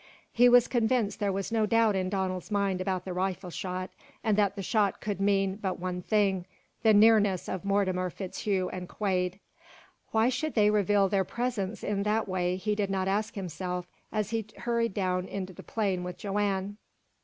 He was convinced there was no doubt in Donald's mind about the rifle shot, and that the shot could mean but one thing the nearness of Mortimer FitzHugh and Quade. Why they should reveal their presence in that way he did not ask himself as he hurried down into the plain with Joanne.